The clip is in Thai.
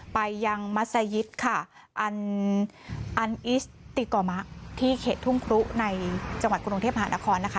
ไปยังมัศยิตค่ะอันอิสติกอมะที่เขตทุ่งครุในจังหวัดกรุงเทพหานครนะคะ